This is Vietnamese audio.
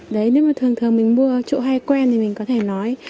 đấy nếu mà thường thường mình mua chỗ hay quen thì mình có thể nói